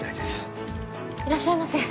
いらっしゃいませ。